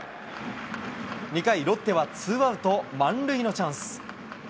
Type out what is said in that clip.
２回、ロッテはツーアウト満塁のチャンス。